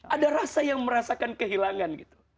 ada rasa yang merasakan kehilangan gitu